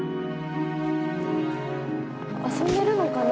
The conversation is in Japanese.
遊んでるのかな？